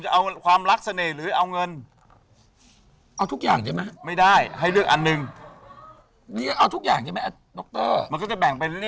เอาทุกอย่างไมไม